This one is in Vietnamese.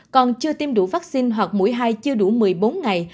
còn chưa tiêm đủ vaccine hoặc mũi hai chưa đủ một mươi bốn ngày